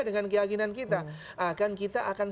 dengan keyakinan kita akan kita akan